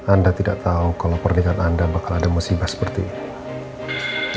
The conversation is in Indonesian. anda tidak tahu kalau pernikahan anda bakal ada musibah seperti ini